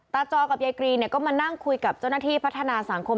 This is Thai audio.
จอกับยายกรีเนี่ยก็มานั่งคุยกับเจ้าหน้าที่พัฒนาสังคม